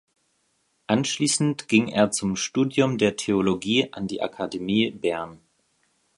Anschliessend ging er zum Studium der Theologie an die Akademie Bern.